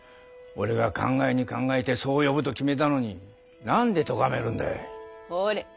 俺が考えに考えてそう呼ぶと決めたのに何で咎めるんだい。